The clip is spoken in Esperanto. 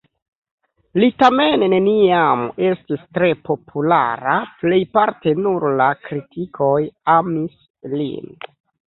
Li tamen neniam estis tre populara, plejparte nur la kritikoj amis lin.